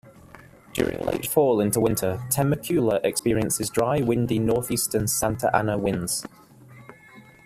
During late fall into winter, Temecula experiences dry, windy north-eastern Santa Ana winds.